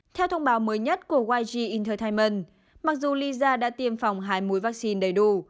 theo thông báo mới nhất của yg entertainment mặc dù lisa đã tiêm phòng hai mũi vaccine đầy đủ